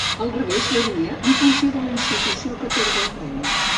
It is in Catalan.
El revers varia en funció de la institució que atorga el premi.